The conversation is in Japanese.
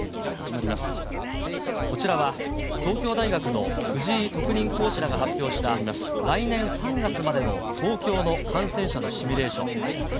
こちらは、東京大学の藤井特任講師らが発表した来年３月までの東京の感染者のシミュレーション。